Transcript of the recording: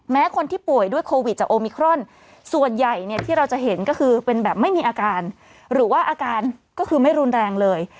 คนที่ป่วยด้วยโควิดจากโอมิครอนส่วนใหญ่เนี่ยที่เราจะเห็นก็คือเป็นแบบไม่มีอาการหรือว่าอาการก็คือไม่รุนแรงเลย